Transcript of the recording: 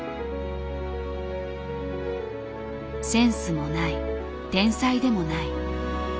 センスもない天才でもない。